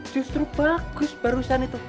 justru bagus barusan itu